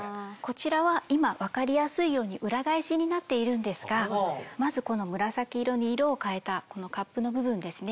こちらは今分かりやすいように裏返しになっているんですがまずこの紫色に色を変えたこのカップの部分